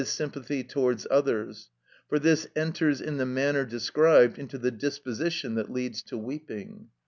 _, sympathy towards others, for this enters in the manner described into the disposition that leads to weeping.